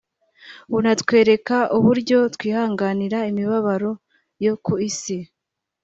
bunatwereka uburyo twihanganira imibabaro yo ku isi